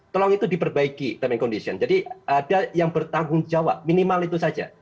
tolong itu diperbaiki term and condition jadi ada yang bertanggung jawab minimal itu saja